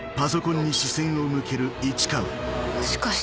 もしかして。